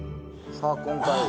さあ今回。